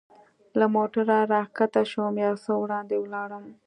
له موټره را کښته شوم، یو څه وړاندې ولاړم.